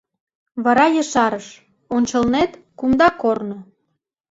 Вара ешарыш: — Ончылнет — кумда корно.